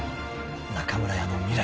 ［中村屋の未来］